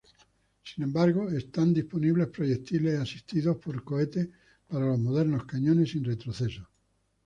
Sin embargo, están disponibles proyectiles asistidos por cohete para los modernos cañones sin retroceso.